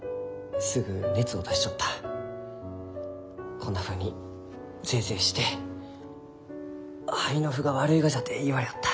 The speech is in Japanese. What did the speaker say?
こんなふうにぜえぜえして肺の腑が悪いがじゃって言われよった。